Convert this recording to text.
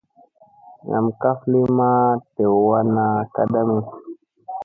Nam kaf li maa dew wanna kadami.